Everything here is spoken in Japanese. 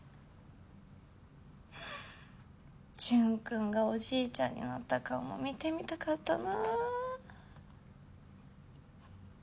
淳くんがおじいちゃんになった顔も見てみたかったな。